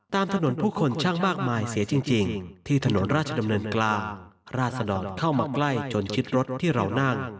ตามถนนผู้คนช่างมากมายเสียจริงที่ถนนราชดำเนินกลางราศดรเข้ามาใกล้จนชิดรถที่เรานั่ง